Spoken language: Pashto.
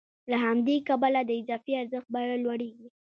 له همدې کبله د اضافي ارزښت بیه لوړېږي